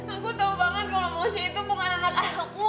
aku tahu banget kalau moshe itu bukan anak aku